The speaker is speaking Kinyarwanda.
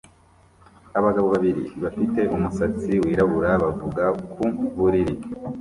Abagabo babiri bafite umusatsi wirabura bavuga ku buriri